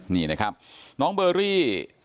นี่นะครับน้องเบอรี่